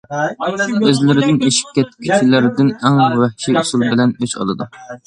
ئۆزلىرىدىن ئېشىپ كەتكۈچىلەردىن ئەڭ ۋەھشىي ئۇسۇل بىلەن ئۆچ ئالىدۇ.